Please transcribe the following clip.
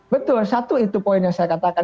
betul satu itu poin yang saya katakan